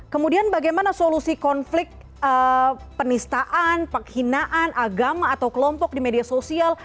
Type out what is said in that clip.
kemudian bagaimana solusi konflik penistaan penghinaan agama atau kelompok di media sosial